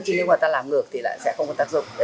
chứ nếu mà ta làm ngược thì lại sẽ không còn tác dụng